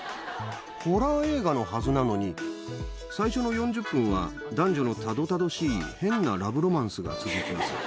ホラー映画のはずなのに最初の４０分は男女のたどたどしい変なラブロマンスが続きます。